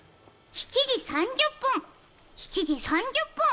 ７時３０分、７時３０分。